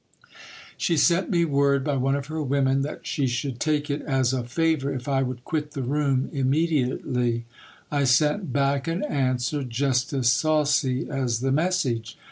She sent me word by one of her women, that she should take it as a favour if I would quit the room immediately. I sent back an answer, just as saucy as the message.